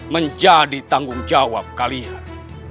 menjadi tanggung jawab kalian